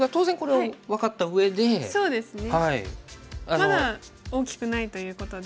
まだ大きくないということで。